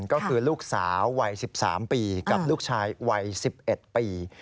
ก็คือลูกสาววัย๑๓ปีกับลูกชายวัย๑๑ปี